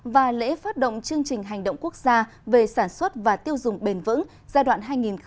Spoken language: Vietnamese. và lễ phát động chương trình hành động quốc gia về sản xuất và tiêu dùng bền vững giai đoạn hai nghìn một mươi chín hai nghìn ba mươi